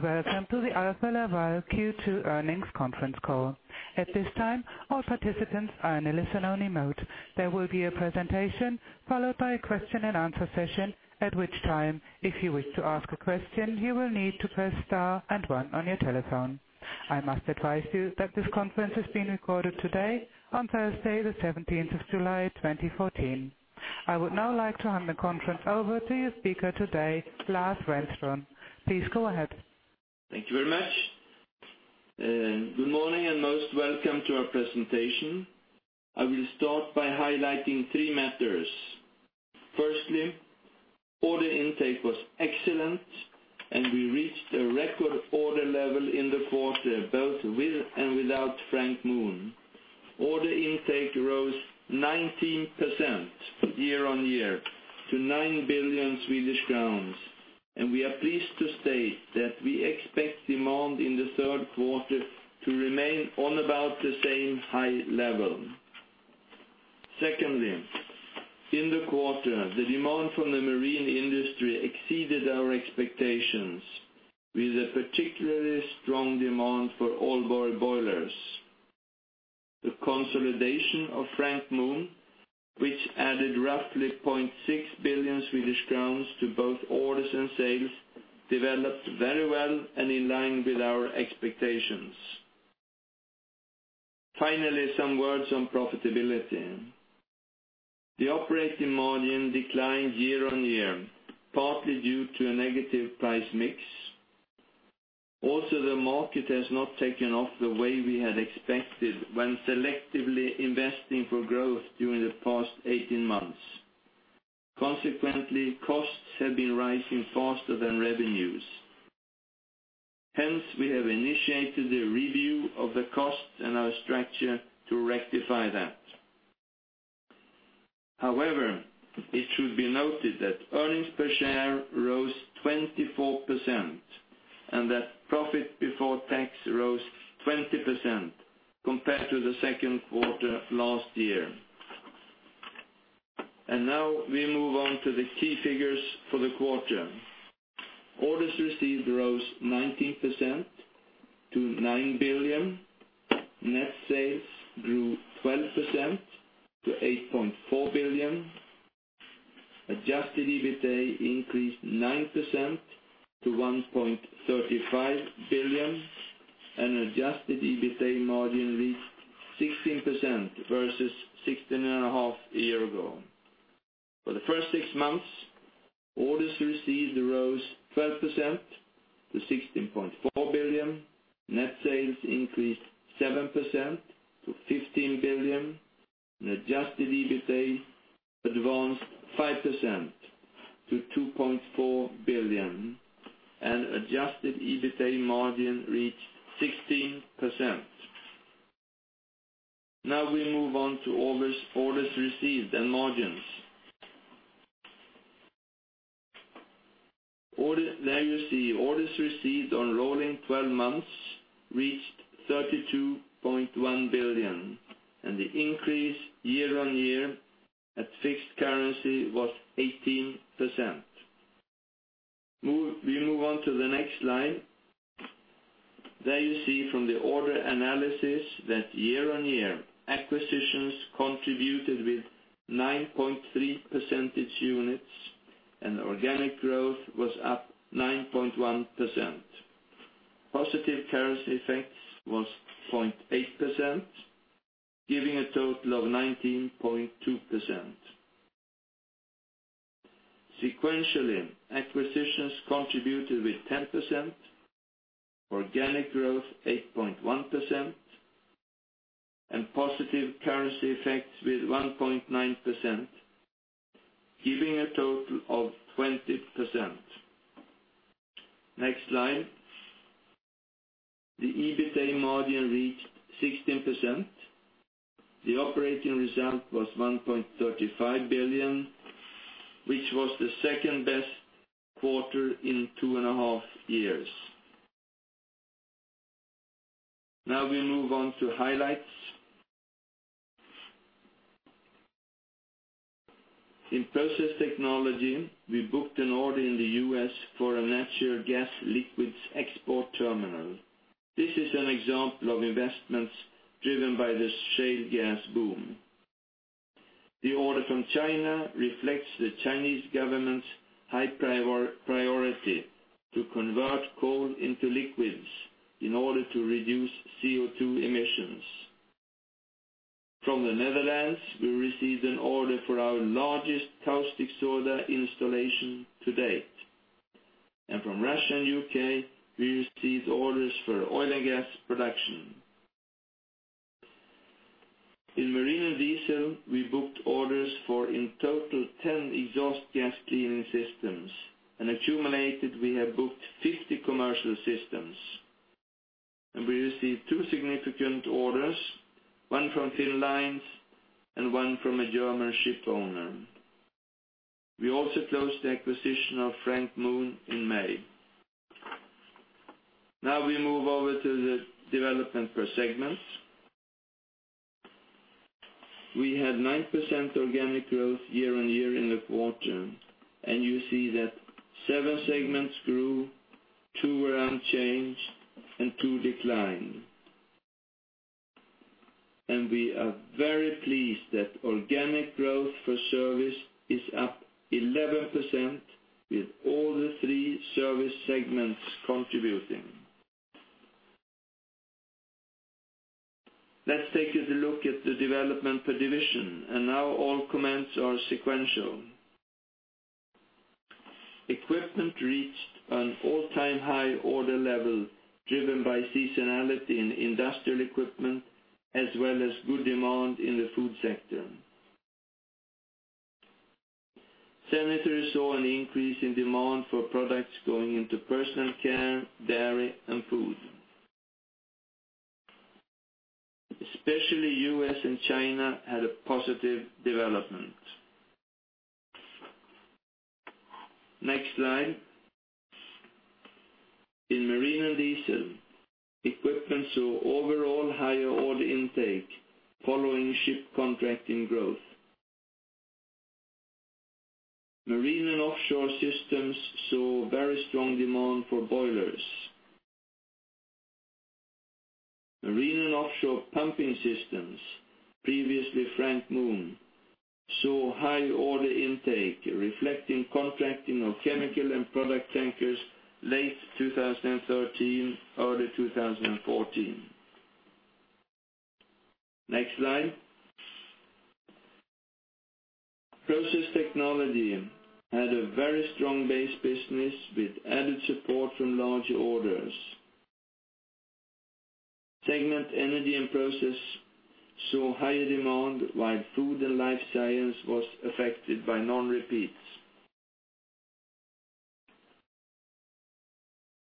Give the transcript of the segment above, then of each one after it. Welcome to the Alfa Laval Q2 earnings conference call. At this time, all participants are in a listen-only mode. There will be a presentation followed by a question and answer session, at which time, if you wish to ask a question, you will need to press star and one on your telephone. I must advise you that this conference is being recorded today, on Thursday, the 17th of July, 2014. I would now like to hand the conference over to your speaker today, Lars Renström. Please go ahead. Thank you very much. Good morning, and most welcome to our presentation. I will start by highlighting three matters. Firstly, order intake was excellent, and we reached a record order level in the quarter, both with and without Frank Mohn. Order intake rose 19% year-on-year to 9 billion Swedish crowns, and we are pleased to state that we expect demand in the third quarter to remain on about the same high level. Secondly, in the quarter, the demand from the marine industry exceeded our expectations, with a particularly strong demand for oil boilers. The consolidation of Frank Mohn, which added roughly 0.6 billion Swedish crowns to both orders and sales, developed very well and in line with our expectations. Finally, some words on profitability. The operating margin declined year-on-year, partly due to a negative price mix. The market has not taken off the way we had expected when selectively investing for growth during the past 18 months. Consequently, costs have been rising faster than revenues. Hence, we have initiated a review of the cost and our structure to rectify that. However, it should be noted that earnings per share rose 24% and that profit before tax rose 20% compared to the second quarter last year. Now we move on to the key figures for the quarter. Orders received rose 19% to 9 billion. Net sales grew 12% to 8.4 billion. Adjusted EBITA increased 9% to 1.35 billion, and adjusted EBITA margin reached 16% versus 16.5% a year ago. For the first six months, orders received rose 12% to 16.4 billion. Net sales increased 7% to 15 billion. Adjusted EBITA advanced 5% to 2.4 billion, and adjusted EBITA margin reached 16%. Now we move on to orders received and margins. There you see, orders received on rolling 12 months reached 32.1 billion, and the increase year-on-year at fixed currency was 18%. We move on to the next slide. There you see from the order analysis that year-on-year, acquisitions contributed with 9.3 percentage units, and organic growth was up 9.1%. Positive currency effects was 0.8%, giving a total of 19.2%. Sequentially, acquisitions contributed with 10%, organic growth, 8.1%, and positive currency effects with 1.9%, giving a total of 20%. Next slide. The EBITA margin reached 16%. The operating result was 1.35 billion, which was the second best quarter in two and a half years. Now we move on to highlights. In process technology, we booked an order in the U.S. for a natural gas liquids export terminal. This is an example of investments driven by the shale gas boom. The order from China reflects the Chinese government's high priority to convert coal into liquids in order to reduce CO2 emissions. From the Netherlands, we received an order for our largest caustic soda installation to date. From Russia and U.K., we received orders for oil and gas production. In marine and diesel, we booked orders for, in total, 10 exhaust gas cleaning systems. Accumulated, we have booked 50 commercial systems. We received two significant orders, one from Finnlines and one from a German ship owner. We also closed the acquisition of Frank Mohn in May. We move over to the development per segment. We had 9% organic growth year-on-year in the quarter, you see that seven segments grew, two were unchanged, and two declined. We are very pleased that organic growth for service is up 11% with all the three service segments contributing. Let's take a look at the development per division, all comments are sequential. Equipment reached an all-time high order level, driven by seasonality in industrial equipment as well as good demand in the food sector. Sanitary saw an increase in demand for products going into personal care, dairy, and food. Especially U.S. and China had a positive development. Next slide. In marine and diesel, equipment saw overall higher order intake following ship contracting growth. Marine and offshore systems saw very strong demand for boilers. Marine and offshore pumping systems, previously Frank Mohn, saw high order intake reflecting contracting of chemical and product tankers late 2013, early 2014. Next slide. Process technology had a very strong base business with added support from large orders. Segment energy and process saw higher demand, while food and life science was affected by non-repeats.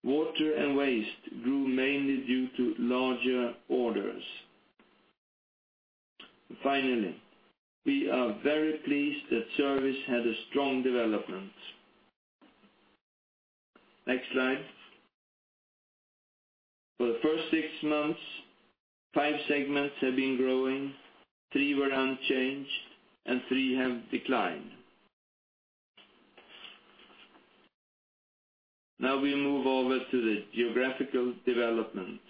Water and waste grew mainly due to larger orders. Finally, we are very pleased that service had a strong development. Next slide. For the first six months, five segments have been growing, three were unchanged, and three have declined. We move over to the geographical development.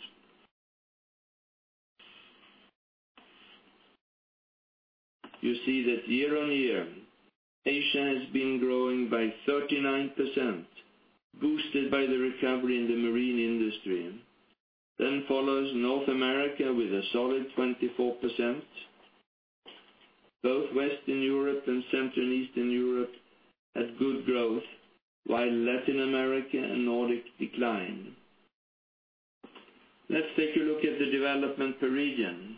You see that year-on-year, Asia has been growing by 39%, boosted by the recovery in the marine industry. North America follows with a solid 24%. Both Western Europe and Central and Eastern Europe had good growth, while Latin America and Nordic declined. Let's take a look at the development per region,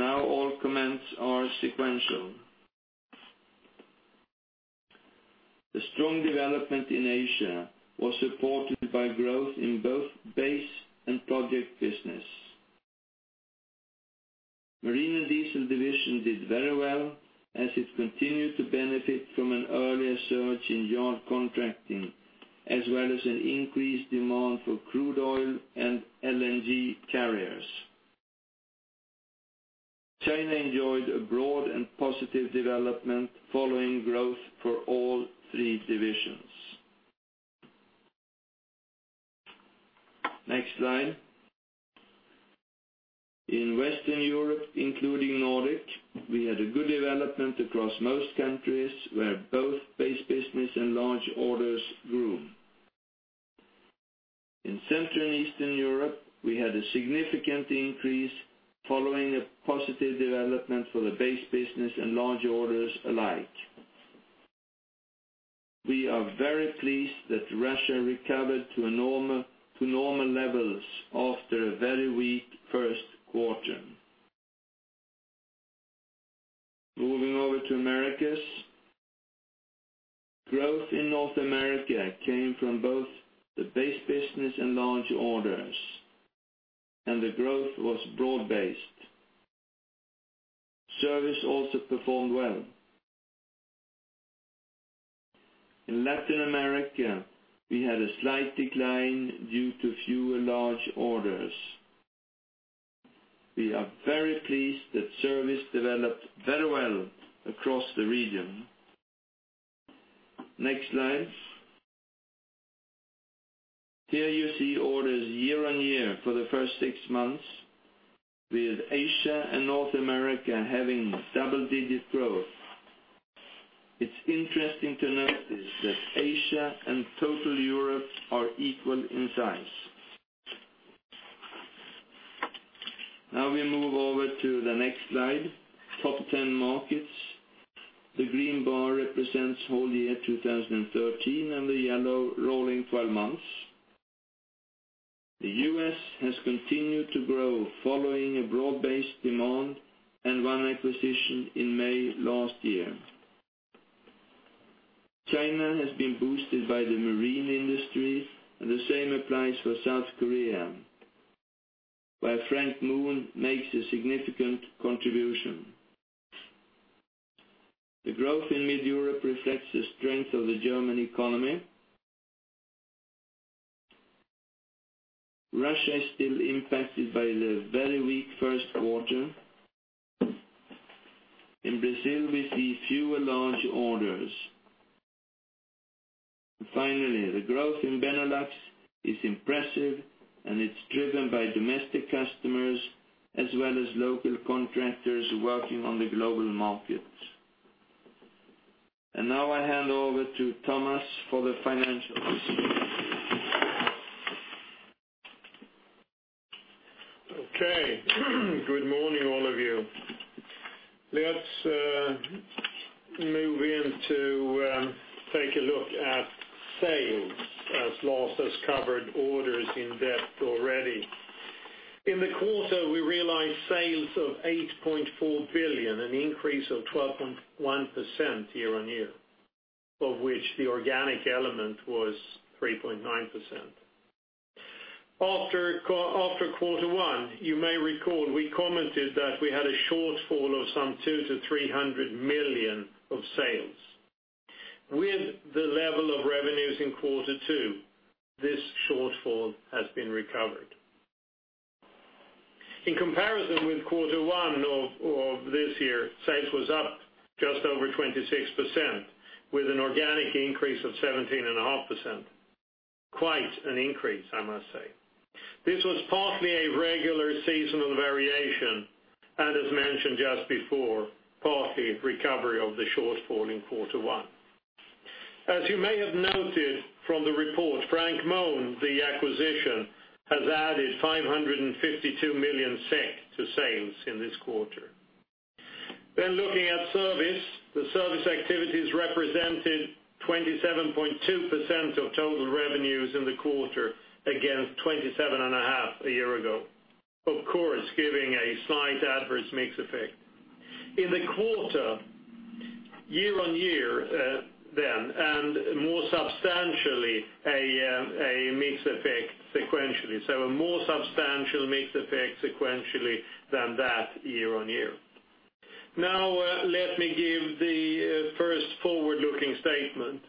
all comments are sequential. The strong development in Asia was supported by growth in both base and project business. Marine and Diesel division did very well as it continued to benefit from an earlier surge in yard contracting, as well as an increased demand for crude oil and LNG carriers. China enjoyed a broad and positive development following growth for all three divisions. Next slide. In Western Europe, including Nordic, we had a good development across most countries where both base business and large orders grew. In Central and Eastern Europe, we had a significant increase following a positive development for the base business and large orders alike. We are very pleased that Russia recovered to normal levels after a very weak first quarter. Moving over to Americas. Growth in North America came from both the base business and large orders, the growth was broad-based. Service also performed well. In Latin America, we had a slight decline due to fewer large orders. We are very pleased that service developed very well across the region. Next slide. Here you see orders year-on-year for the first six months, with Asia and North America having double-digit growth. It is interesting to notice that Asia and total Europe are equal in size. Now we move over to the next slide. Top 10 markets. The green bar represents whole year 2013 and the yellow rolling 12 months. The U.S. has continued to grow following a broad-based demand and one acquisition in May last year. China has been boosted by the marine industry, and the same applies for South Korea, where Frank Mohn makes a significant contribution. The growth in Mid Europe reflects the strength of the German economy. Russia is still impacted by the very weak first quarter. In Brazil, we see fewer large orders. Finally, the growth in Benelux is impressive, and it is driven by domestic customers, as well as local contractors working on the global markets. Now I hand over to Thomas for the financials. Okay. Good morning, all of you. Let's move in to take a look at sales, as Lars has covered orders in-depth already. In the quarter, we realized sales of 8.4 billion, an increase of 12.1% year-on-year. Of which, the organic element was 3.9%. After quarter one, you may recall we commented that we had a shortfall of some two to 300 million of sales. With the level of revenues in quarter two, this shortfall has been recovered. In comparison with quarter one of this year, sales was up just over 26% with an organic increase of 17.5%. Quite an increase, I must say. This was partly a regular seasonal variation, and as mentioned just before, partly recovery of the shortfall in quarter one. As you may have noted from the report, Frank Mohn, the acquisition, has added 552 million SEK to sales in this quarter. Looking at service. The service activities represented 27.2% of total revenues in the quarter, against 27.5% a year ago. Of course, giving a slight adverse mix effect. In the quarter, year-on-year, then, more substantially, a mix effect sequentially. A more substantial mix effect sequentially than that year-on-year. Now, let me give the first forward-looking statement.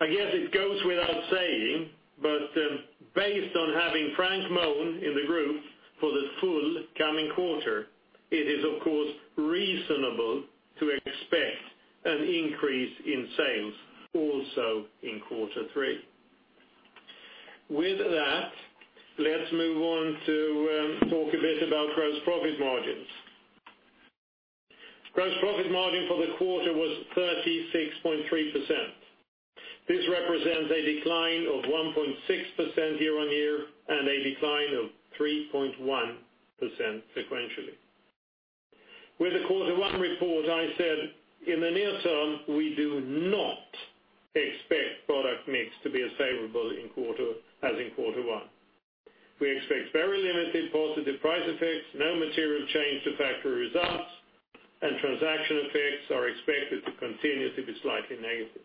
I guess it goes without saying, but based on having Frank Mohn in the group for the full coming quarter, it is, of course, reasonable to expect an increase in sales also in quarter three. With that, let's move on to talk a bit about gross profit margins. Gross profit margin for the quarter was 36.3%. This represents a decline of 1.6% year-on-year and a decline of 3.1% sequentially. With the quarter one report, I said, in the near term, we do not expect product mix to be as favorable as in quarter one. We expect very limited positive price effects, no material change to factory results, and transaction effects are expected to continue to be slightly negative.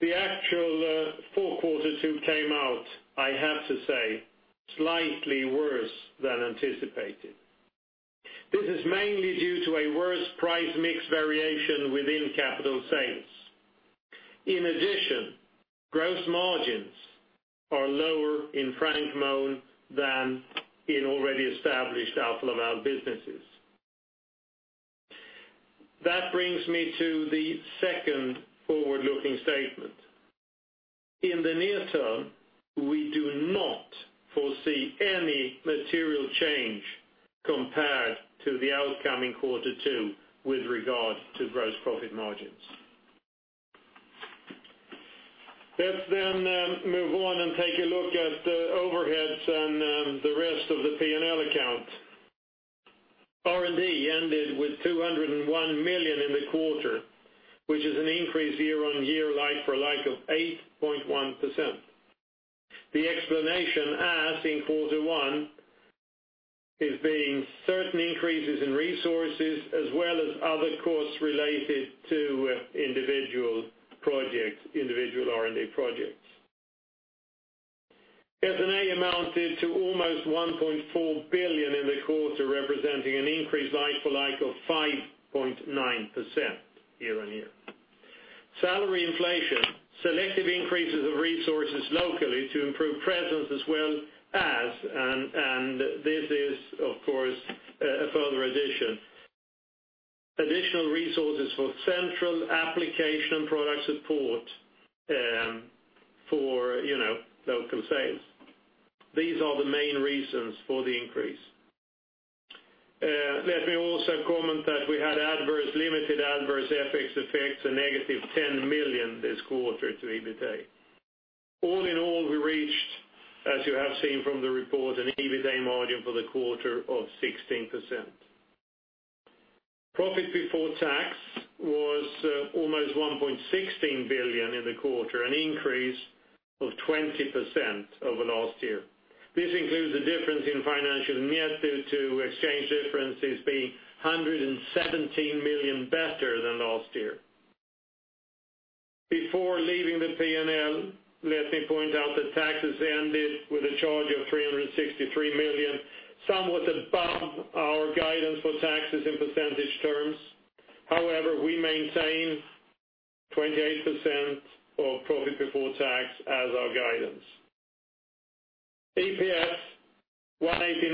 The actual for quarter two came out, I have to say, slightly worse than anticipated. This is mainly due to a worse price mix variation within capital sales. In addition, gross margins are lower in Frank Mohn than in already established Alfa Laval businesses. That brings me to the second forward-looking statement. In the near term, we do not foresee any material change compared to the outcoming quarter two with regard to gross profit margins. Let's then move on and take a look at the overheads and the rest of the P&L account. R&D ended with 201 million in the quarter, which is an increase year-on-year like-for-like of 8.1%. The explanation, as in quarter one, is being certain increases in resources as well as other costs related to individual R&D projects. S&A amounted to almost 1.4 billion in the quarter, representing an increase like-for-like of 5.9% year-on-year. Salary inflation, selective increases of resources locally to improve presence as well as, and this is, of course, a further addition, additional resources for central application product support for local sales. These are the main reasons for the increase. Let me also comment that we had limited adverse FX effects, a negative 10 million this quarter to EBITA. All in all, we reached, as you have seen from the report, an EBITA margin for the quarter of 16%. Profit before tax was almost 1.16 billion in the quarter, an increase of 20% over last year. This includes a difference in financial net due to exchange differences being 117 million better than last year. Before leaving the P&L, let me point out that taxes ended with a charge of 363 million, somewhat above our guidance for taxes in percentage terms. However, we maintain 28% of profit before tax as our guidance. EPS 189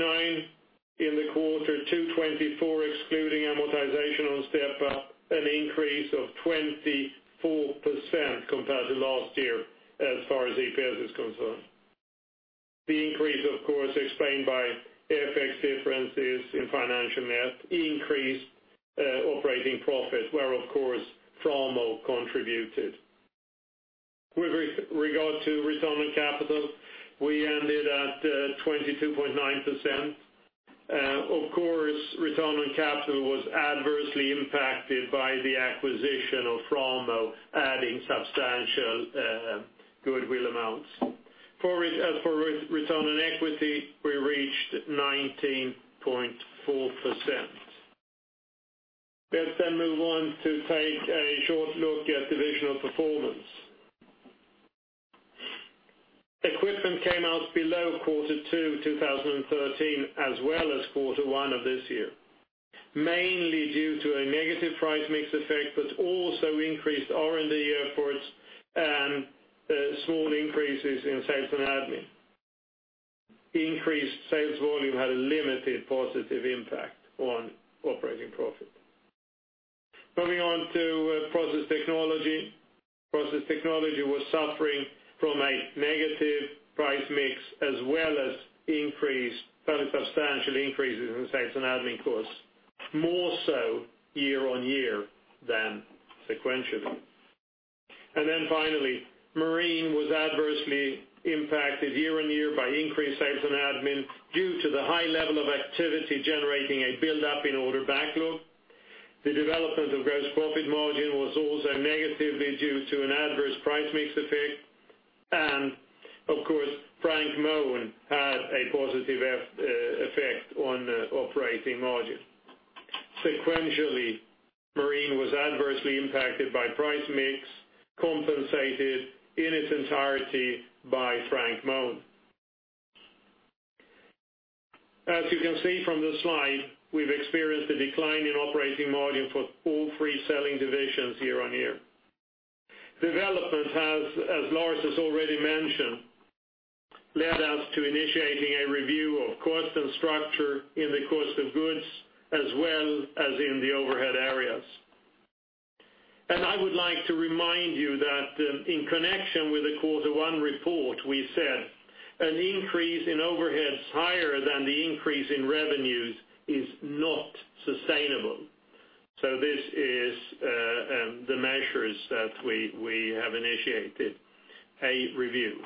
in the quarter, 224 excluding amortization on step up, an increase of 24% compared to last year as far as EPS is concerned. The increase, of course, explained by FX differences in financial net increased operating profit, where, of course, Framo contributed. With regard to return on capital, we ended at 22.9%. Of course, return on capital was adversely impacted by the acquisition of Framo, adding substantial goodwill amounts. For return on equity, we reached 19.4%. Let's then move on to take a short look at divisional performance. Equipment came out below quarter two 2013, as well as quarter one of this year, mainly due to a negative price mix effect, but also increased R&D efforts and small increases in sales and admin. Increased sales volume had a limited positive impact on operating profit. Moving on to Process Technology. Process Technology was suffering from a negative price mix as well as fairly substantial increases in sales and admin costs, more so year-on-year than sequentially. And finally, Marine was adversely impacted year-on-year by increased sales and admin due to the high level of activity generating a buildup in order backlog. The development of gross profit margin was also negatively due to an adverse price mix effect, and of course, Frank Mohn had a positive effect on operating margin. Sequentially, Marine was adversely impacted by price mix, compensated in its entirety by Frank Mohn. As you can see from the slide, we've experienced a decline in operating margin for all three selling divisions year-on-year. Development has, as Lars has already mentioned, led us to initiating a review of cost and structure in the cost of goods as well as in the overhead areas. I would like to remind you that in connection with the quarter one report, we said an increase in overheads higher than the increase in revenues is not sustainable. This is the measures that we have initiated a review.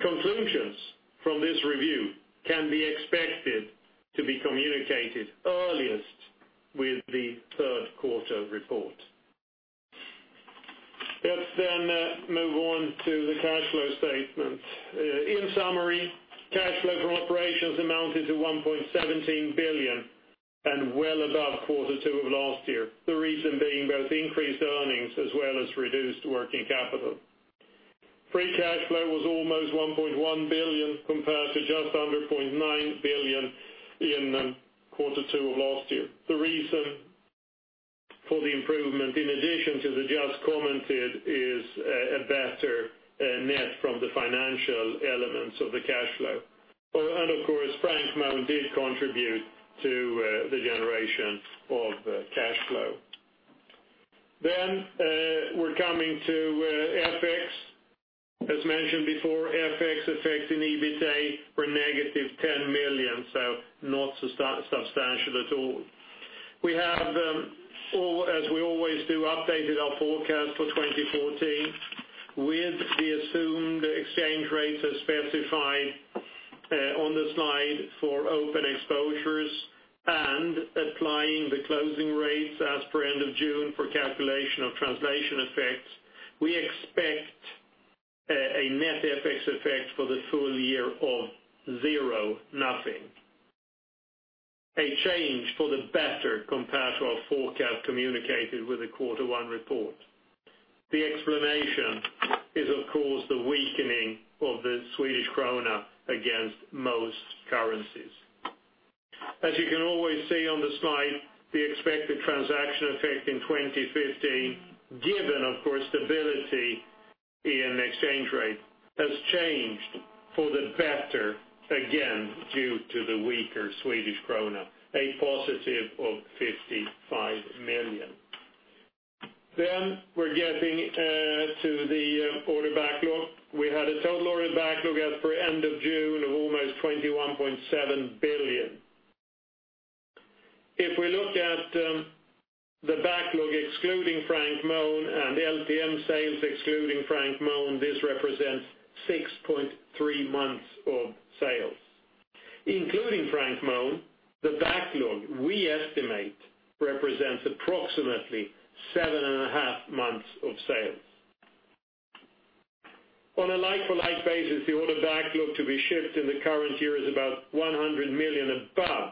Conclusions from this review can be expected to be communicated earliest with the third quarter report. Let's move on to the cash flow statement. In summary, cash flow from operations amounted to 1.17 billion and well above quarter two of last year. The reason being both increased earnings as well as reduced working capital. Free cash flow was almost 1.1 billion compared to just under 0.9 billion in quarter two of last year. The reason for the improvement, in addition to the just commented, is a better net from the financial elements of the cash flow. Of course, Frank Mohn did contribute to the generation of cash flow. We're coming to FX. As mentioned before, FX effects in EBITA were negative 10 million, so not substantial at all. We have, as we always do, updated our forecast for 2014 with the assumed exchange rates as specified on the slide for open exposures and applying the closing rates as per end of June for calculation of translation effects. We expect a net FX effect for the full year of zero, nothing. A change for the better compared to our forecast communicated with the quarter one report. The explanation is, of course, the weakening of the Swedish krona against most currencies. As you can always see on the slide, the expected transaction effect in 2015, given, of course, stability in exchange rate, has changed for the better again due to the weaker Swedish krona, a positive of 55 million. We're getting to the order backlog. We had a total order backlog as per end of June of almost 21.7 billion. If we look at the backlog excluding Frank Mohn and LTM sales excluding Frank Mohn, this represents 6.3 months of sales. Including Frank Mohn, the backlog we estimate represents approximately 7.5 months of sales. On a like-for-like basis, the order backlog to be shipped in the current year is about 100 million above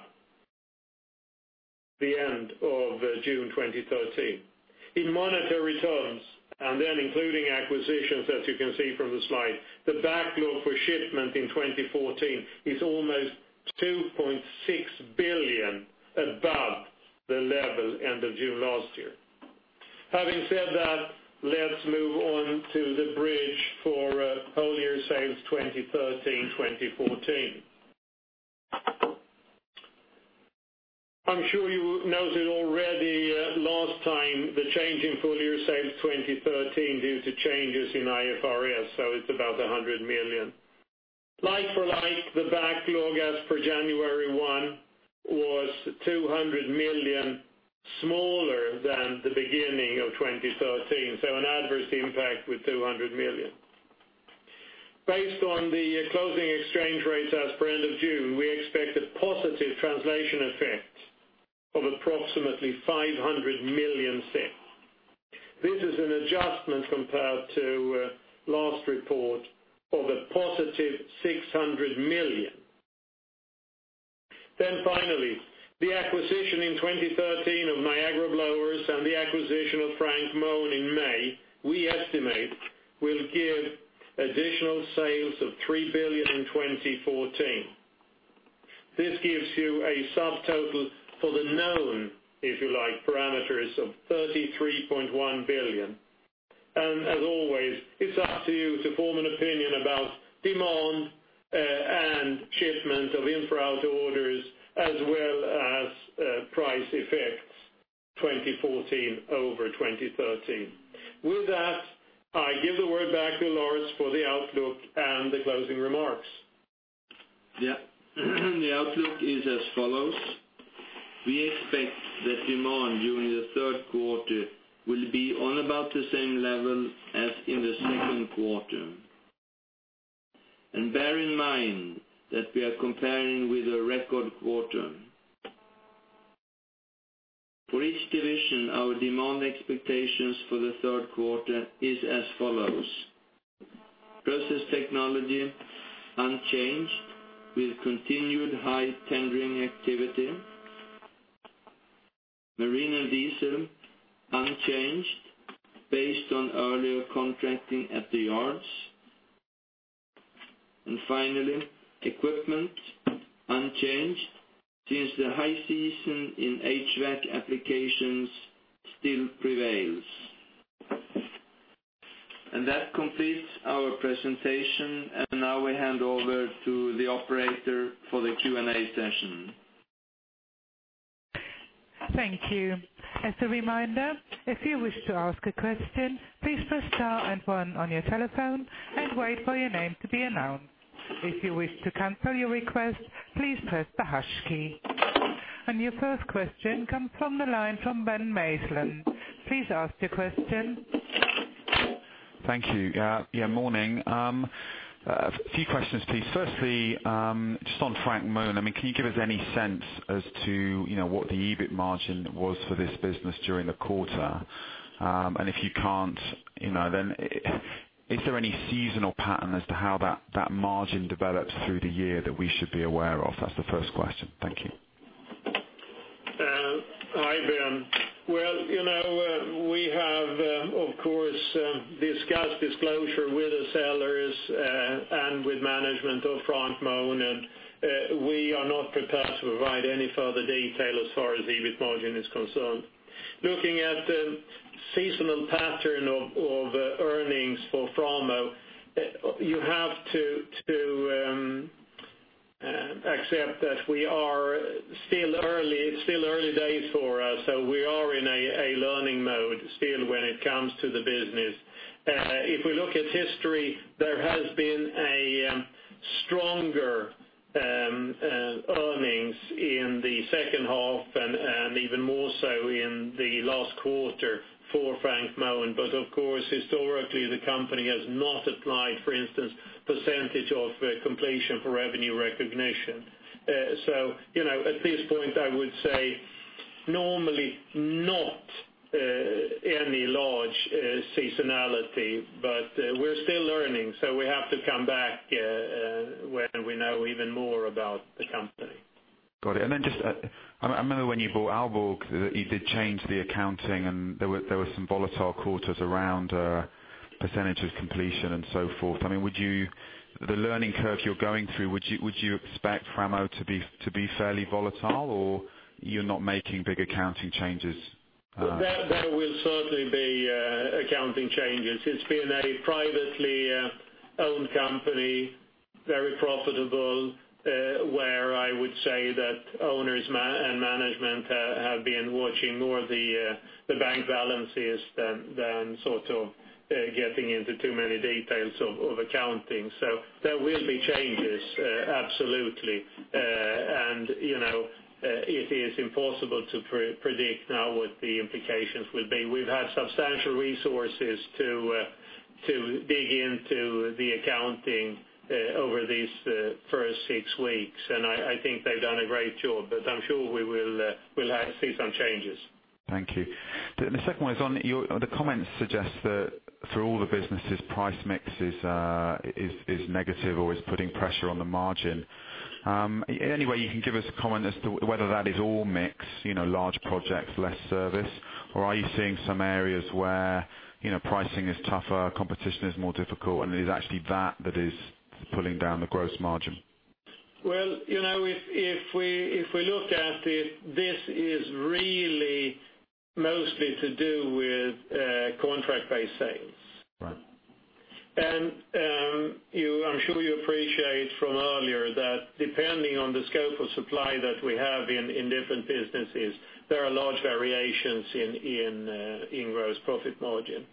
the end of June 2013. In monetary terms, then including acquisitions, as you can see from the slide, the backlog for shipment in 2014 is almost 2.6 billion above the level end of June last year. Having said that, let's move on to the bridge for full year sales 2013-2014. I'm sure you noted already last time the change in full year sales 2013 due to changes in IFRS, so it's about 100 million. Like-for-like, the backlog as for January 1 was 200 million smaller than the beginning of 2013, so an adverse impact with 200 million. Based on the closing exchange rates as per end of June, we expect a positive translation effect of approximately 500 million. This is an adjustment compared to last report of a positive 600 million. Finally, the acquisition in 2013 of Niagara Blower and the acquisition of Frank Mohn in May, we estimate, will give additional sales of 3 billion in 2014. This gives you a subtotal for the known, if you like, parameters of 33.1 billion. As always, it's up to you to form an opinion about demand and shipment of in for out orders, as well as price effects 2014 over 2013. With that, I give the word back to Lars for the outlook and the closing remarks. The outlook is as follows. We expect that demand during the third quarter will be on about the same level as in the second quarter. Bear in mind that we are comparing with a record quarter. For each division, our demand expectations for the third quarter is as follows. Process technology, unchanged, with continued high tendering activity. Marine and diesel, unchanged, based on earlier contracting at the yards. Finally, equipment, unchanged, since the high season in HVAC applications still prevails. That completes our presentation, and now I hand over to the operator for the Q&A session. Thank you. As a reminder, if you wish to ask a question, please press star 1 on your telephone and wait for your name to be announced. If you wish to cancel your request, please press the hash key. Your first question comes from the line from Ben Maislin. Please ask your question. Thank you. Morning. A few questions, please. Firstly, just on Frank Mohn, can you give us any sense as to what the EBIT margin was for this business during the quarter? If you can't, then is there any seasonal pattern as to how that margin develops through the year that we should be aware of? That's the first question. Thank you. Hi, Ben. Well, we have, of course, discussed disclosure with the sellers and with management of Frank Mohn. We are not prepared to provide any further detail as far as the EBIT margin is concerned. Looking at the seasonal pattern of earnings for Framo, you have to accept that it's still early days for us. We are in a learning mode still when it comes to the business. If we look at history, there has been a stronger earnings in the second half and even more so in the last quarter for Frank Mohn. Of course, historically, the company has not applied, for instance, percentage of completion for revenue recognition. At this point, I would say, normally not any large seasonality. We're still learning, so we have to come back when we know even more about the company. Got it. Just, I remember when you bought Aalborg, you did change the accounting and there were some volatile quarters around percentage of completion and so forth. The learning curve you're going through, would you expect Framo to be fairly volatile or you're not making big accounting changes? There will certainly be accounting changes. It's been a privately owned company, very profitable, where I would say that owners and management have been watching more the bank balances than getting into too many details of accounting. There will be changes, absolutely. It is impossible to predict now what the implications will be. We've had substantial resources to dig into the accounting over these first six weeks. I think they've done a great job. I'm sure we'll have to see some changes. Thank you. The second one is on the comments suggest that for all the businesses, price mix is negative or is putting pressure on the margin. Any way you can give us a comment as to whether that is all mix, large projects, less service, or are you seeing some areas where pricing is tougher, competition is more difficult, and it is actually that that is pulling down the gross margin? If we look at it, this is really mostly to do with contract-based sales. Right. I'm sure you appreciate from earlier that depending on the scope of supply that we have in different businesses, there are large variations in gross profit margin.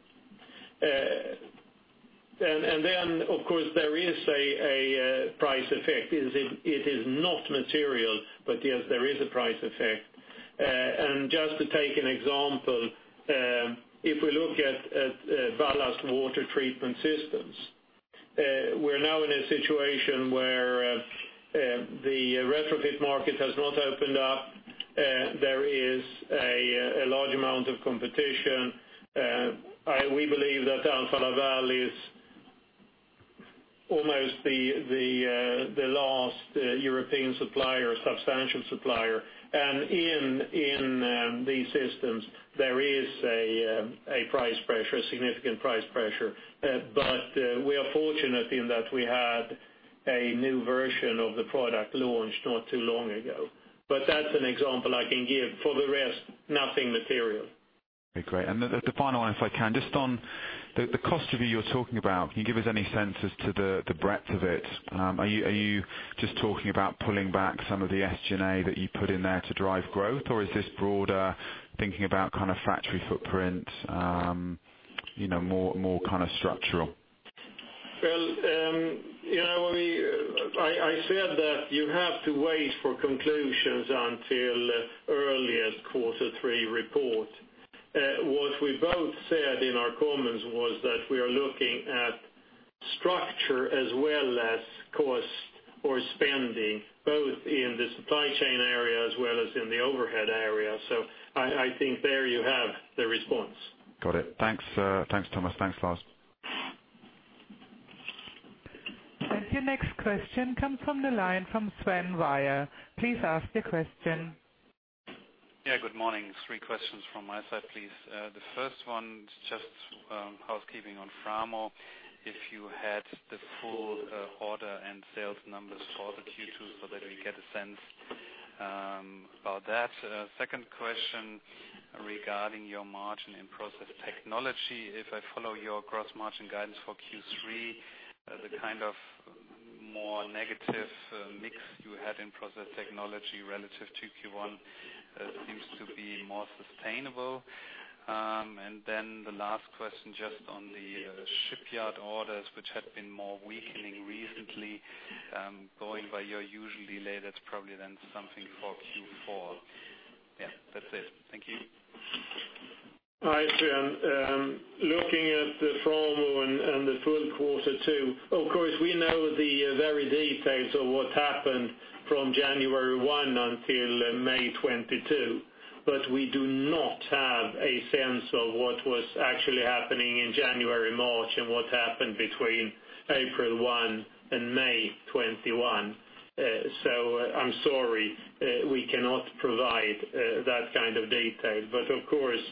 Then of course, there is a price effect. It is not material, but yes, there is a price effect. Just to take an example, if we look at ballast water treatment systems, we're now in a situation where the retrofit market has not opened up. There is a large amount of competition. We believe that Alfa Laval is almost the last European supplier, substantial supplier. In these systems, there is a price pressure, a significant price pressure. We are fortunate in that we had a new version of the product launched not too long ago. That's an example I can give. For the rest, nothing material. Okay, great. The final one, if I can, just on the cost review you're talking about, can you give us any sense as to the breadth of it? Are you just talking about pulling back some of the SG&A that you put in there to drive growth? Or is this broader thinking about factory footprint, more structural? I said that you have to wait for conclusions until earliest quarter three report. What we both said in our comments was that we are looking at structure as well as cost or spending, both in the supply chain area as well as in the overhead area. I think there you have the response. Got it. Thanks, Thomas. Thanks, Lars. Your next question comes from the line from Sven Weier. Please ask your question. Good morning. Three questions from my side, please. The first one, just housekeeping on Framo, if you had the full order and sales numbers for the Q2 so that we get a sense about that. Second question regarding your margin in process technology. If I follow your gross margin guidance for Q3, the more negative mix you had in process technology relative to Q1, seems to be more sustainable. The last question, just on the shipyard orders, which had been more weakening recently, going by your usual delay, that's probably then something for Q4. That's it. Thank you. Hi, Sven. Looking at the Framo and the full quarter two, of course, we know the very details of what happened from January 1 until May 22, but we do not have a sense of what was actually happening in January, March, and what happened between April 1 and May 21. I'm sorry, we cannot provide that kind of detail. Of course,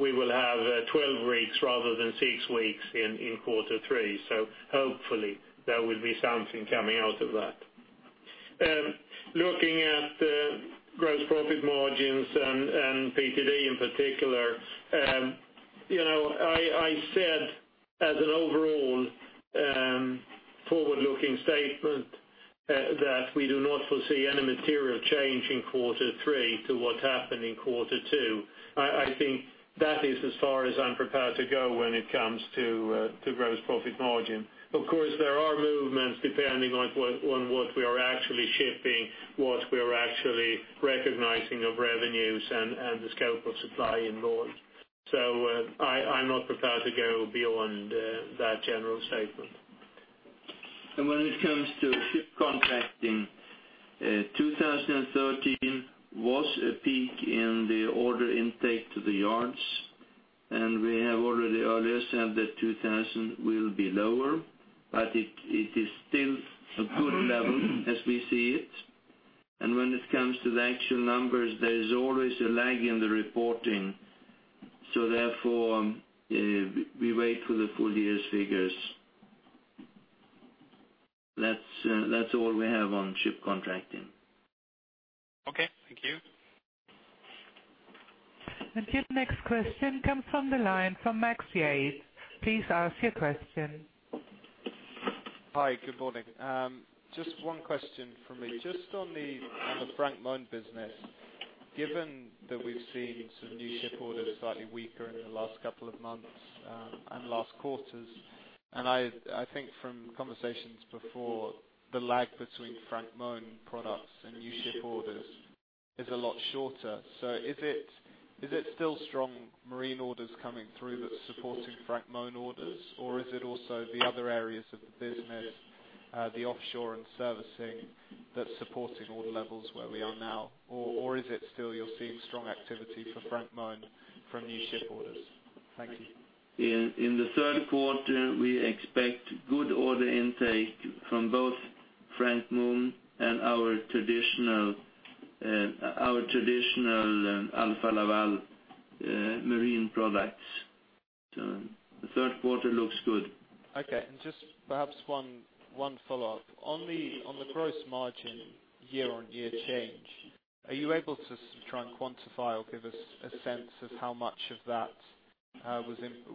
we will have 12 weeks rather than six weeks in quarter three, so hopefully there will be something coming out of that. Looking at gross profit margins and PTD in particular, I said as an overall forward-looking statement that we do not foresee any material change in quarter three to what happened in quarter two. I think that is as far as I'm prepared to go when it comes to gross profit margin. Of course, there are movements depending on what we are actually shipping, what we are actually recognizing of revenues and the scope of supply involved. I'm not prepared to go beyond that general statement. When it comes to ship contracting, 2013 was a peak in the order intake to the yards, we have already earlier said that 2,000 will be lower, but it is still a good level as we see it. When it comes to the actual numbers, there is always a lag in the reporting. Therefore, we wait for the full year's figures. That's all we have on ship contracting. Okay, thank you. Your next question comes from the line from Max Yates. Please ask your question. Hi, good morning. Just one question from me. On the Frank Mohn business, given that we've seen some new ship orders slightly weaker in the last couple of months, and last quarters, I think from conversations before, the lag between Frank Mohn products and new ship orders is a lot shorter. Is it still strong marine orders coming through that's supporting Frank Mohn orders, or is it also the other areas of the business, the offshore and servicing, that's supporting order levels where we are now? Is it still you're seeing strong activity for Frank Mohn from new ship orders? Thank you. In the third quarter, we expect good order intake from both Frank Mohn and our traditional Alfa Laval marine products. The third quarter looks good. Okay, just perhaps one follow-up. On the gross margin year-on-year change, are you able to try and quantify or give us a sense of how much of that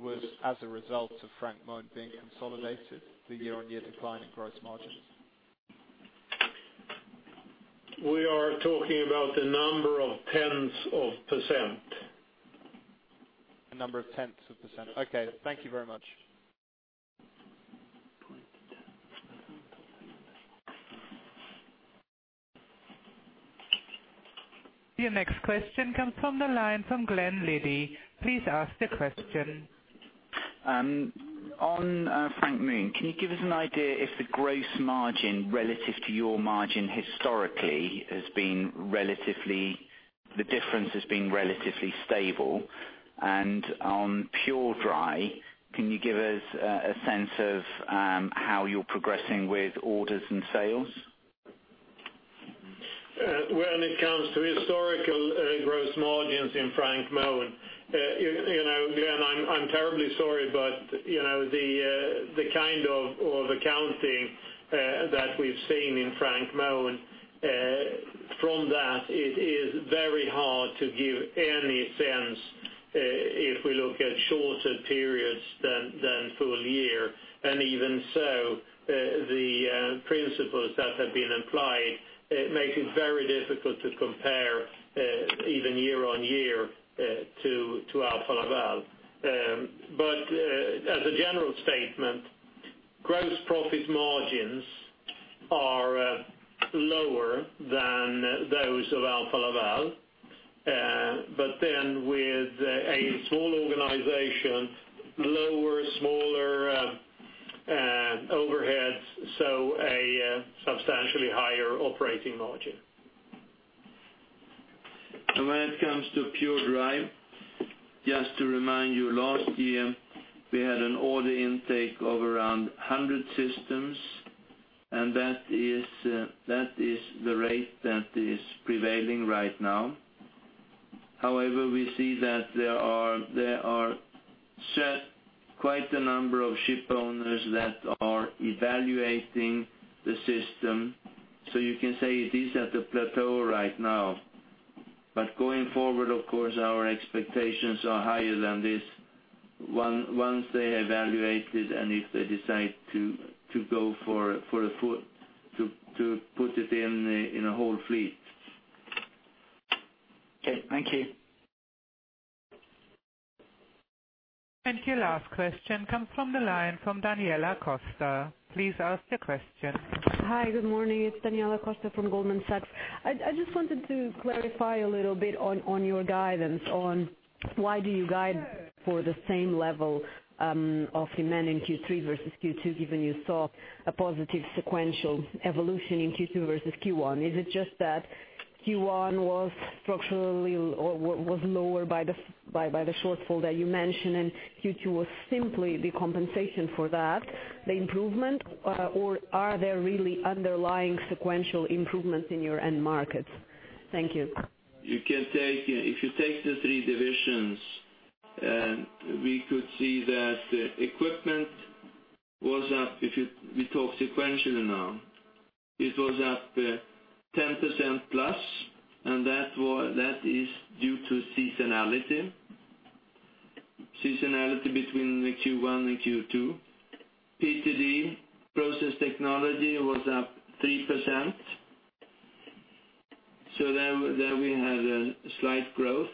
was as a result of Frank Mohn being consolidated, the year-on-year decline in gross margins? We are talking about a number of tenths of %. A number of tenths of %. Okay. Thank you very much. Your next question comes from the line from Glen Liddy. Please ask the question. On Frank Mohn, can you give us an idea if the gross margin relative to your margin historically, the difference has been relatively stable? On PureDry, can you give us a sense of how you're progressing with orders and sales? When it comes to historical gross margins in Frank Mohn, Glen, I'm terribly sorry, but the kind of accounting that we've seen in Frank Mohn, from that, it is very hard to give any sense if we look at shorter periods than full year. Even so, the principles that have been applied, it makes it very difficult to compare even year-on-year to Alfa Laval. As a general statement, gross profit margins are lower than those of Alfa Laval. With a small organization, lower, smaller overheads, so a substantially higher operating margin. When it comes to PureDry, just to remind you, last year, we had an order intake of around 100 systems, that is the rate that is prevailing right now. However, we see that there are quite a number of ship owners that are evaluating the system. You can say it is at a plateau right now. Going forward, of course, our expectations are higher than this once they evaluate it and if they decide to go for it, to put it in a whole fleet. Okay. Thank you. Your last question comes from the line from Daniela Costa. Please ask the question. Hi. Good morning. It's Daniela Costa from Goldman Sachs. I just wanted to clarify a little bit on your guidance on why do you guide for the same level of demand in Q3 versus Q2, given you saw a positive sequential evolution in Q2 versus Q1? Is it just that Q1 was structurally or lower by the shortfall that you mentioned, Q2 was simply the compensation for that, the improvement? Are there really underlying sequential improvements in your end markets? Thank you. We could see that equipment was up. If we talk sequentially now, it was up 10% plus, that is due to seasonality between the Q1 and Q2. PTD, process technology, was up 3%. There we had a slight growth.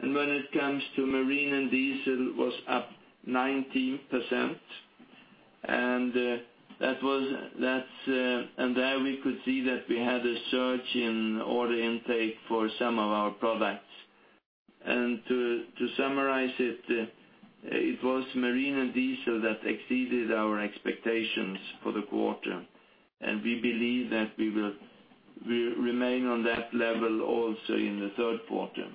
When it comes to marine and diesel, was up 19%. There we could see that we had a surge in order intake for some of our products. To summarize it was marine and diesel that exceeded our expectations for the quarter. We believe that we will remain on that level also in the third quarter.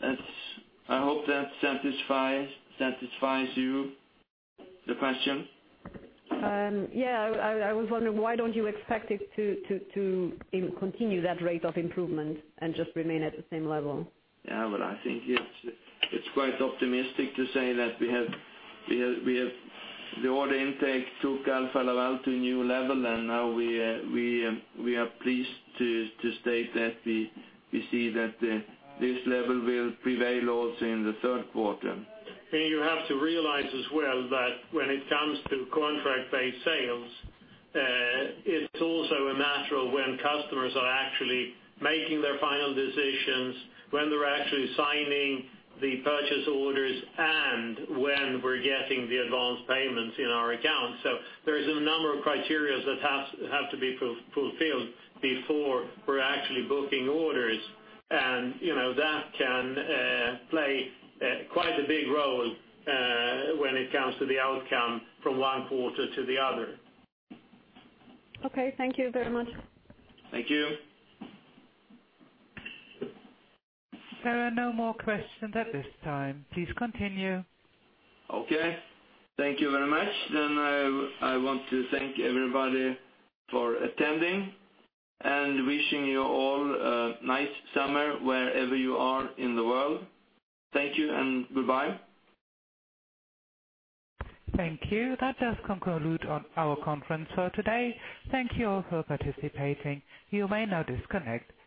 I hope that satisfies you, the question. I was wondering, why don't you expect it to continue that rate of improvement and just remain at the same level? I think it's quite optimistic to say that the order intake took Alfa Laval to a new level, now we are pleased to state that we see that this level will prevail also in the third quarter. You have to realize as well that when it comes to contract-based sales, it's also a matter of when customers are actually making their final decisions, when they're actually signing the purchase orders, and when we're getting the advanced payments in our accounts. There's a number of criterias that have to be fulfilled before we're actually booking orders. That can play quite a big role when it comes to the outcome from one quarter to the other. Okay. Thank you very much. Thank you. There are no more questions at this time. Please continue. Okay. Thank you very much. I want to thank everybody for attending and wishing you all a nice summer wherever you are in the world. Thank you and goodbye. Thank you. That does conclude our conference for today. Thank you all for participating. You may now disconnect.